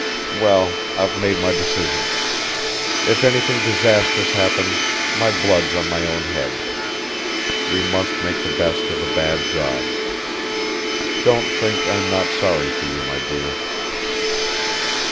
Well, I've made my decision. If anything disastrous happens my blood's on my own head. We must make the best of a bad job. Don't think I'm not sorry for you, my dear."